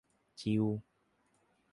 ชิล